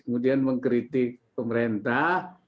kemudian mengkritik pemerintah